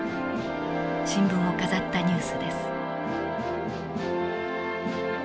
新聞を飾ったニュースです。